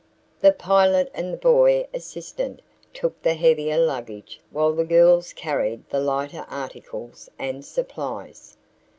The pilot and the boy assistant took the heavier luggage while the girls carried the lighter articles and supplies.